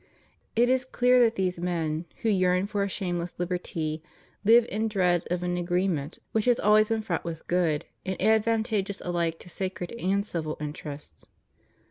It is clear that these men, who yearn for a shameless Uberty, live in dread of an agreement which has always been fraught with good, and advantageous alike to sacred and civil interests."